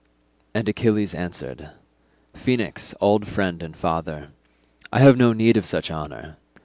And Achilles answered, "Phoenix, old friend and father, I have no need of such honour.